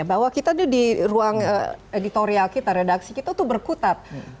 bahwa kita di ruang editorial kita redaksi kita tuh berkutat